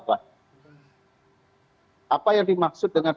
apa yang dimaksud dengan